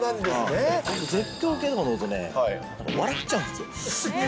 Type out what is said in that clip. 絶叫系とか乗るとね、笑っちゃうんですよ。